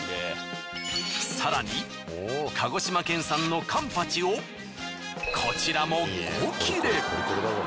更に鹿児島県産のカンパチをこちらも５切れ。